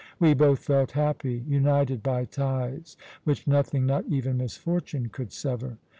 We both felt happy, united by ties which nothing, not even misfortune, could sever.